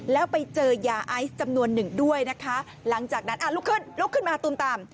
แล้วไปเจอยาไอซ์จำนวนหนึ่งด้วยนะคะหลังจากนั้นลุกขึ้นมาตูมต่ำ